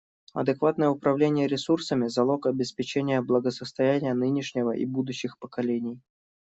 Адекватное управление ресурсами — залог обеспечения благосостояния нынешнего и будущих поколений.